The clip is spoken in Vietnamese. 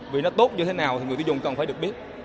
vì nó tốt như thế nào thì người tiêu dùng còn phải